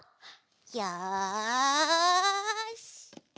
よし！